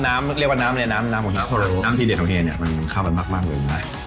น้ำเรียกว่าน้ำอะไรน้ำน้ำน้ำน้ำที่เดี๋ยวทำเฮเนี่ยมันเข้าไปมากมากเลย